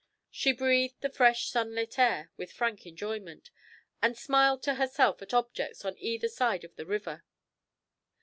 She breathed the fresh sun lit air with frank enjoyment, and smiled to herself at objects on either side of the river.